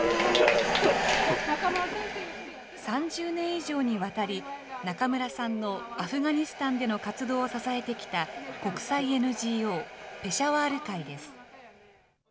３０年以上にわたり、中村さんのアフガニスタンでの活動を支えてきた国際ＮＧＯ・ペシャワール会です。